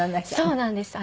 そうなんです。